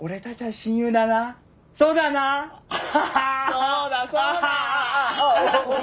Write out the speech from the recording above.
そうだそうだ！